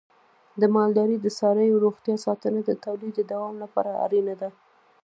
د مالدارۍ د څارویو روغتیا ساتنه د تولید د دوام لپاره اړینه ده.